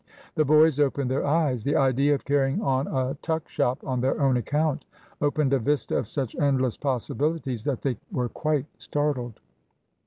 The boys opened their eyes. The idea of carrying on a tuck shop on their own account opened a vista of such endless possibilities, that they were quite startled.